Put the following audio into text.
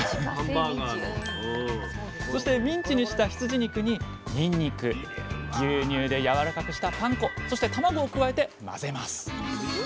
ミンチにした羊肉ににんにく牛乳でやわらかくしたパン粉そして卵を加えて混ぜます。